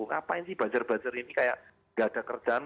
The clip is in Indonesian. ngapain sih bajar bajar ini kayak nggak ada kerjaan